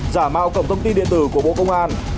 giả mạo cổng thông tin điện tử của bộ công an